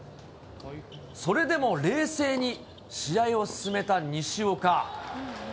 それでも冷静に試合を進めた西岡。